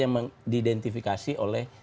yang diidentifikasi oleh